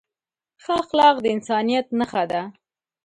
ښه اخلاق د انسانیت نښه ده.